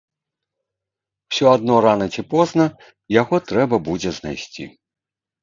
Усё адно рана ці позна яго трэба будзе знайсці.